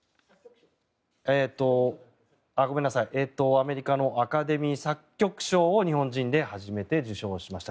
アメリカのアカデミー作曲賞を日本人で初めて受賞しました。